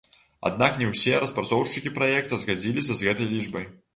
Аднак не ўсе распрацоўшчыкі праекта згадзіліся з гэтай лічбай.